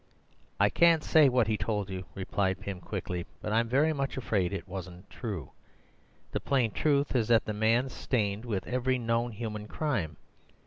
"I can't say what he told you," replied Pym quickly, "but I'm very much afraid it wasn't true. The plain truth is that the man's stained with every known human crime.